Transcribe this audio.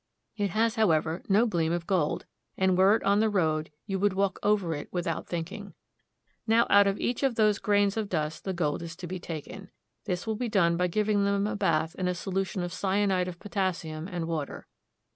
It has, however, no gleam of gold, and were it on the road you would walk over it without thinking. Now out of each of those grains of dust the gold is to be taken. This will be done by giving them a bath in a solution of cyanide of potassium and water.